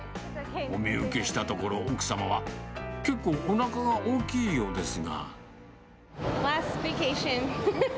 お見受けしたところ、奥様は、結構、おなかが大きいようですが。